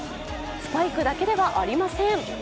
スパイクだけではありません。